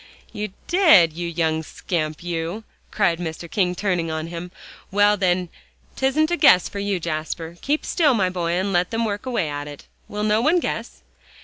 "You did, you young scamp, you!" cried Mr. King, turning on him. "Well, then, 'tisn't a guess for you, Jasper. Keep still, my boy, and let them work away at it. Will no one guess?"